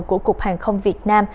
của cục hàng không việt nam